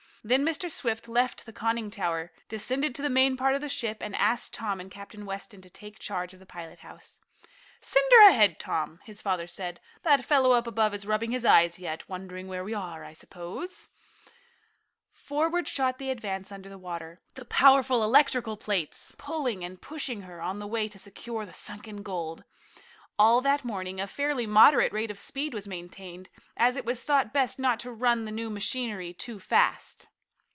Then Mr. Swift left the conning tower, descended to the main part of the ship, and asked Tom and Captain Weston to take charge of the pilot house. "Send her ahead, Tom," his father said. "That fellow up above is rubbing his eyes yet, wondering where we are, I suppose." Forward shot the Advance under water, the powerful electrical plates pulling and pushing her on the way to secure the sunken gold. All that morning a fairly moderate rate of speed was maintained, as it was thought best not to run the new machinery too fast.